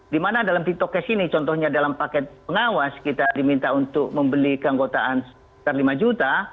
di mana dalam titok kes ini contohnya dalam paket pengawas kita diminta untuk membeli keanggotaan lima juta